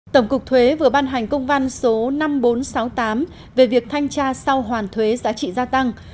tổng cục thuế vừa ban hành công văn số năm nghìn bốn trăm sáu mươi tám về việc thanh tra sau hoàn thuế giá trị gia tăng